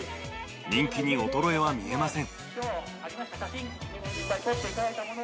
人気に衰えは見えません。